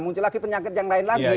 muncul lagi penyakit yang lain lagi